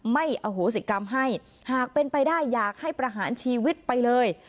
ไม่อโหสิกรรมให้หากเป็นไปได้อยากให้ประหารชีวิตไปเลย